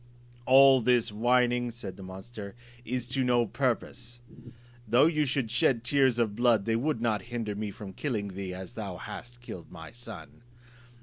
"All this whining," said the monster, "is to no purpose; though you should shed tears of blood, they should not hinder me from killing thee, as thou hast killed my son."